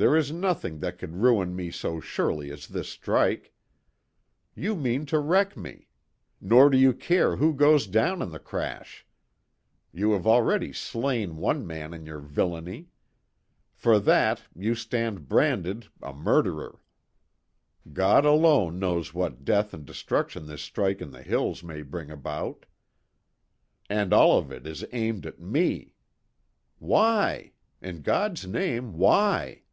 There is nothing that could ruin me so surely as this strike. You mean to wreck me; nor do you care who goes down in the crash. You have already slain one man in your villainy. For that you stand branded a murderer. God alone knows what death and destruction this strike in the hills may bring about. And all of it is aimed at me. Why? In God's name, why?"